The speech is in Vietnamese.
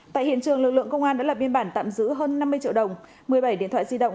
tại hiện trường lực lượng công an đã lập biên bản tạm giữ hơn năm mươi triệu đồng một mươi bảy điện thoại di động